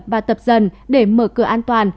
và tập dần để mở cửa an toàn